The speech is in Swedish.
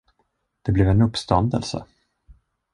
Det blev en uppståndelse.